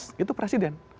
pengawas itu presiden